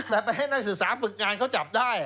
แต่ไปให้นักศึกษาฝึกงานเขาจับได้